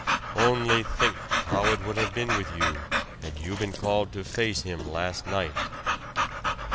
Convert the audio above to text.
Only think how it would have been with you had you been called to face Him last night?"